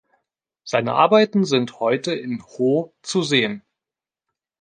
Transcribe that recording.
Seine Arbeiten sind heute in Ho zu sehen.